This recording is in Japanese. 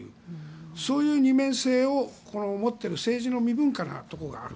そういう二面性を持っている政治の未分化なところがある。